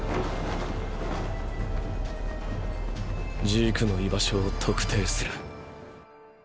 ジークの居場所を特定する。